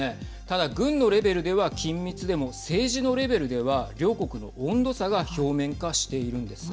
ただ、軍のレベルでは緊密でも政治のレベルでは両国の温度差が表面化しているんです。